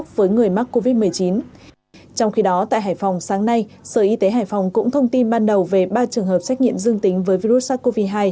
trong khi đó tại hải phòng sáng nay sở y tế hải phòng cũng thông tin ban đầu về ba trường hợp xét nghiệm dương tính với virus sars cov hai